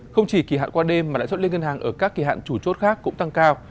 không chỉ kỳ hạn qua đêm mà lãi suất liên ngân hàng ở các kỳ hạn chủ chốt khác cũng tăng cao